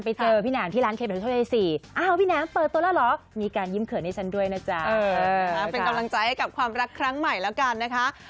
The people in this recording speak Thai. ผมว่าวันเดียวของเดียวก็กำลังดีแล้วนะ